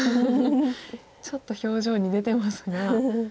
ちょっと表情に出てますが。